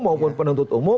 maupun penuntut umum